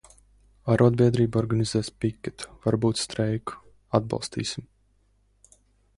Arodbiedrība organizēs piketu, varbūt streiku. Atbalstīsim!